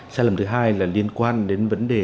sai lầm thứ hai là liên quan đến vấn đề